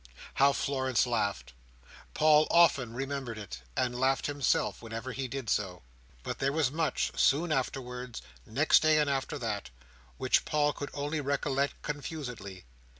How Florence laughed! Paul often remembered it, and laughed himself whenever he did so. But there was much, soon afterwards—next day, and after that—which Paul could only recollect confusedly.